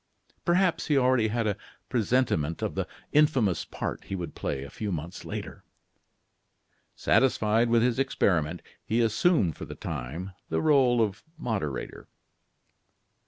Perhaps he already had a presentiment of the infamous part he would play a few months later. Satisfied with his experiment, he assumed, for the time, the role of moderator.